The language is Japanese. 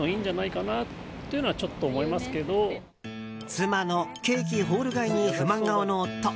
妻のケーキホール買いに不満顔の夫。